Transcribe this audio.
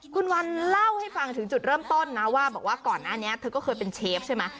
คุณวันเล่าให้ฟังถึงจุดเริ่มต้นนะว่าบอกว่าก่อนหน้านี้เธอก็เคยเป็นเชฟใช่ไหม